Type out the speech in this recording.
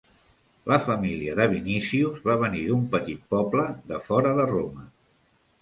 La família de Vinicius va venir d'un petit poble de fora de Roma.